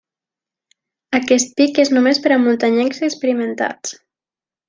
Aquest pic és només per a muntanyencs experimentats.